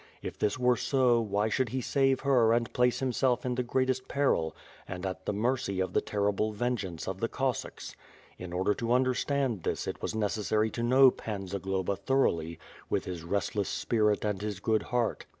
If this were so, why should he save her and place himself in the greatest peril, and at the mercy of the terrible vengeance of the Cossacks? In order to understand this it was necessary to know Pan Zagloba thoroughly, with his restless spirit and his good heart.